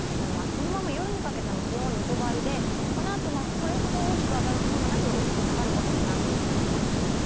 このまま夜にかけても気温は横ばいで、このあと、それほど大きく上がることもなく、大きく下がることもなくというところです。